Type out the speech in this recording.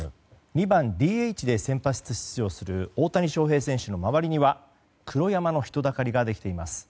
２番ＤＨで先発出場する大谷翔平選手の周りには黒山の人だかりができています。